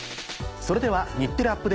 それでは『日テレアップＤａｔｅ！』